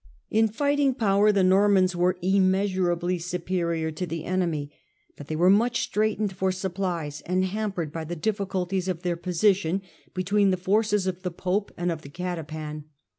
In fighting power the Normans >K were immeasurably superior to the enemy, but they r were much straitened for supplies, and hampered by the difficulties of their position between the forces of ^, the pope and of the catapan.